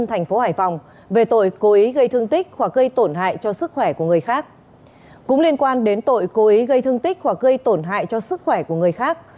hãy đăng ký kênh để nhận thông tin nhất